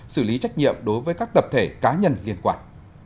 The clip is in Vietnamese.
xử lý trách nhiệm đối với các tập thể cá nhân liên quan